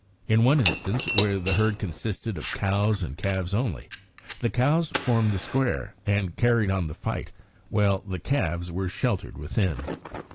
In one instance, where the herd consisted of cows and calves only, the cows formed the square and carried on the fight while the calves were sheltered within.